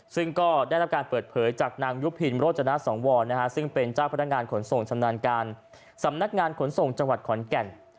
ซึ่งก็ได้รับการเปิดเผยจากนางยุพินโรจนสังวรซึ่งเป็นเจ้าพนักงานขนส่งชำนาญการสำนักงานขนส่งจังหวัดขอนแก่น